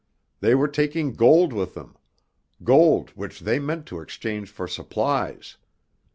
They were taking gold with them, gold which they meant to exchange for supplies.